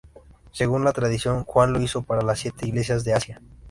Según la tradición, Juan lo hizo para las siete iglesias de Asia.